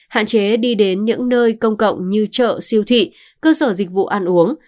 hạn chế đi đến những nơi công cộng như chợ siêu thị cơ sở dịch vụ ăn uống